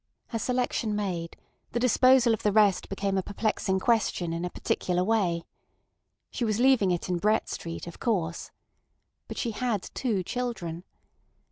Her selection made, the disposal of the rest became a perplexing question in a particular way. She was leaving it in Brett Street, of course. But she had two children.